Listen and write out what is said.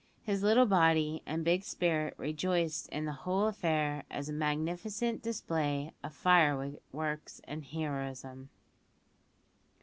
His little body and big spirit rejoiced in the whole affair as a magnificent display of fireworks and heroism.